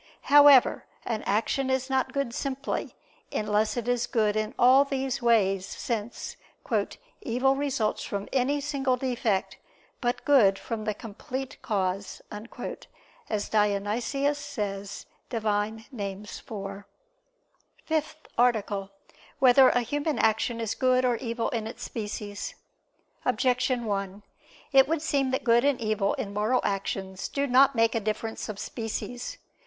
However, an action is not good simply, unless it is good in all those ways: since "evil results from any single defect, but good from the complete cause," as Dionysius says (Div. Nom. iv). ________________________ FIFTH ARTICLE [I II, Q. 18, Art. 5] Whether a Human Action Is Good or Evil in Its Species? Objection 1: It would seem that good and evil in moral actions do not make a difference of species.